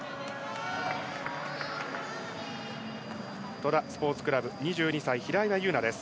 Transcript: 戸田スポーツクラブ２２歳、平岩優奈です。